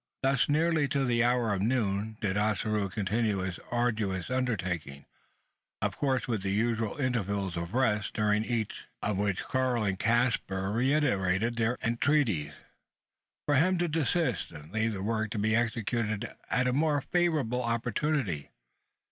Thus, nearly to the hour of noon, did Ossaroo continue his arduous undertaking of course with the usual intervals of rest, during each of which Karl and Caspar reiterated their entreaties for him to desist and leave the work to be executed at a more favourable opportunity.